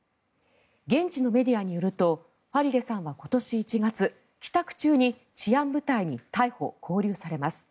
現地のメディアによるとファリデさんは今年１月帰宅中に治安部隊に逮捕・勾留されます。